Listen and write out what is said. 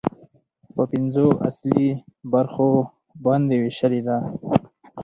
په پنځو اصلي برخو باندې ويشلې ده